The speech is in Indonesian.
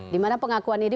dimana pengakuan ini